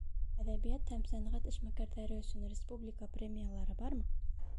Әҙәбиәт һәм сәнғәт эшмәкәрҙәре өсөн республика премиялары бармы?